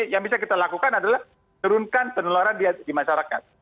yang bisa kita lakukan adalah turunkan peneloran di masyarakat